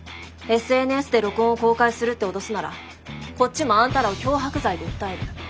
ＳＮＳで録音を公開するって脅すならこっちもあんたらを脅迫罪で訴える。